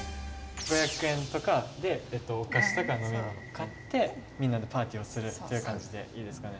５００円とかでお菓子とか飲み物買ってみんなでパーティーをするっていう感じでいいですかね？